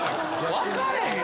わかれへん